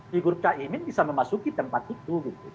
figur caimin bisa memasuki tempat itu